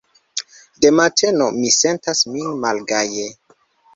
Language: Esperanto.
De mateno mi sentas min malgaje.